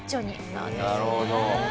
なるほど。